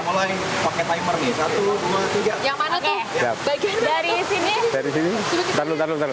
olla beginner yang mana tuh dariuro